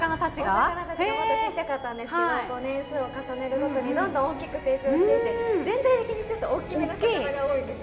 お魚たちがもっとちっちゃかったんですけど年数を重ねるごとにどんどん大きく成長していって全体的にちょっとおっきめの魚が多いんです。